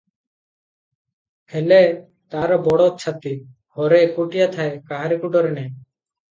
ହେଲେ ତାର ବଡ଼ ଛାତି, ଘରେ ଏକୁଟିଆ ଥାଏ, କାହାରିକୁ ଡରେ ନାହିଁ ।